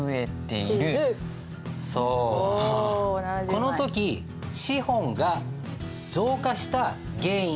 この時資本が増加した原因